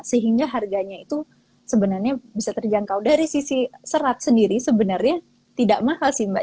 sehingga harganya itu sebenarnya bisa terjangkau dari sisi serat sendiri sebenarnya tidak mahal sih mbak